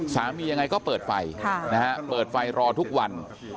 ยังไงก็เปิดไฟเปิดไฟรอทุกวัน